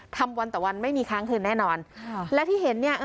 ทำวันแต่วันไม่มีครั้งขึ้นแน่นอนแล้วที่เห็นเอ่อ